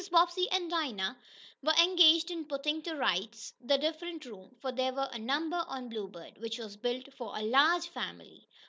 Bobbsey and Dinah were engaged in putting to rights the different rooms, for there were a number on the Bluebird, which was built for a large family.